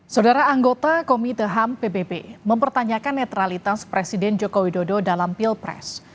saudara anggota komite ham pbb mempertanyakan netralitas presiden joko widodo dalam pilpres